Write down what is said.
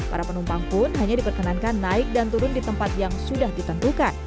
para penumpang pun hanya diperkenankan naik dan turun di tempat yang sudah diperkenankan